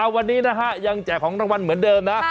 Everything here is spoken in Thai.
วันนี้นะฮะยังแจกของรางวัลเหมือนเดิมนะ